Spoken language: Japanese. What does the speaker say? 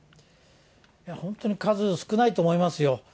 本当に数少ないと思いますよ。